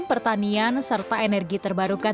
pertanian serta energi terbarukan